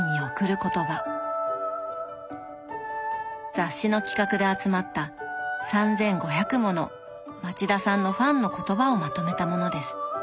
雑誌の企画で集まった３，５００もの「町田さんのファンの言葉」をまとめたものです。